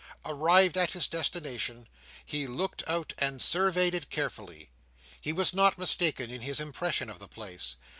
Arrived at his destination he looked out, and surveyed it carefully. He was not mistaken in his impression of the place.